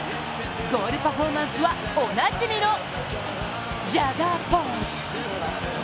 ゴールパフォーマンスはおなじみの、ジャガーポーズ。